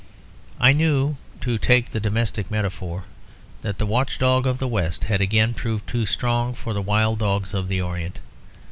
I knew, to take the domestic metaphor, that the watchdog of the West had again proved too strong for the wild dogs of the Orient.